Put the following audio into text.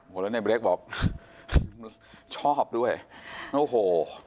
พูดนะไนเบรกบอกชอบด้วยโอ้โห